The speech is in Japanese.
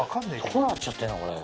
どうなっちゃってんだこれ。